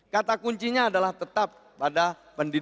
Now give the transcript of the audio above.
kata kuncinya adalah tetap pada pendidikan